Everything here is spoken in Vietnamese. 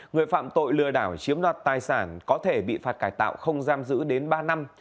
người phạm tội lừa đảo chiếm đoạt tài sản có thể bị phạt cải tạo không giam giữ đến ba năm